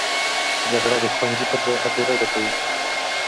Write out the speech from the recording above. جګړه د ښوونځي پر ځای هدیره ډکوي